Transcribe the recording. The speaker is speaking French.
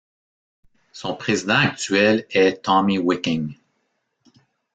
Son président actuel est Tommy Wiking.